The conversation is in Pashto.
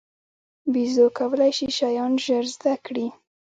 بیزو کولای شي شیان ژر زده کړي.